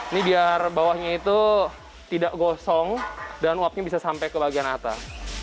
ini biar bawahnya itu tidak gosong dan uapnya bisa sampai ke bagian atas